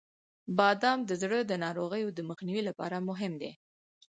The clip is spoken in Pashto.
• بادام د زړه د ناروغیو د مخنیوي لپاره مهم دی.